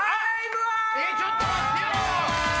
ちょっと待ってよ！